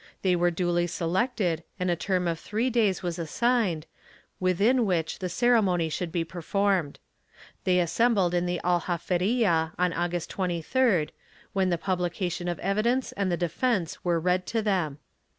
They were duly selected and a term of three days was assigned, within which the ceremony should be performed. They assembled in the Aljaferfa on August 23d, when the publication of evidence and the defence were read to them.